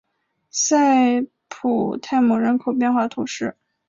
塞普泰姆人口变化图示